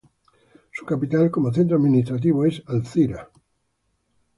Su capital, como centro administrativo, es Alcira.